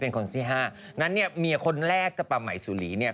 คนที่ห้านั้นเนี่ยเมียคนแรกกับป้าไหมสุรีเนี่ย